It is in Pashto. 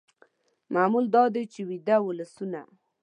معمول دا دی چې ویده ولسونه